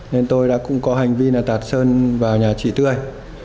nên tôi đã cũng có hành vi tạt sơn vào nhà chị tươi